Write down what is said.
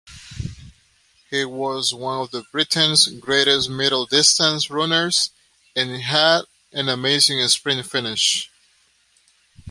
He was one of Britain's greatest middle-distance runners and had an amazing sprint finish.